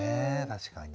確かに。